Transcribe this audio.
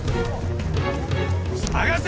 捜せ！